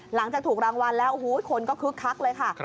หลังจากถูกรางวัลแล้วโอ้โหคนก็คึกคักเลยค่ะ